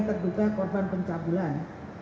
terduga korban pencabulan